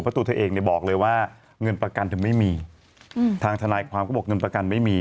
เพราะตัวเธอเองเนี่ยบอกเลยว่าเงินประกันเธอไม่มีทางทนายความก็บอกเงินประกันไม่มี